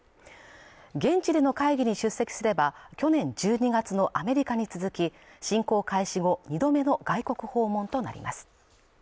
現地での会議に出席すれば去年１２月のアメリカに続き侵攻開始後２度目の外国訪問となります